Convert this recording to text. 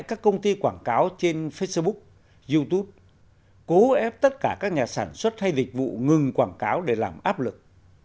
các công ty quảng cáo trên facebook youtube cố ép tất cả các nhà sản xuất hay dịch vụ ngừng quảng cáo để làm áp lực